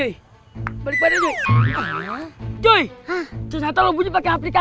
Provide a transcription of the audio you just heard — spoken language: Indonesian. iya banyak dong biar lu kapok